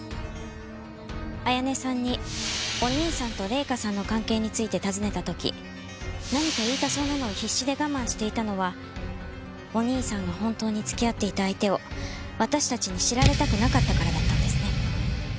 彩音さんにお兄さんと礼香さんの関係について尋ねた時何か言いたそうなのを必死で我慢していたのはお兄さんが本当に付き合っていた相手を私たちに知られたくなかったからだったんですね。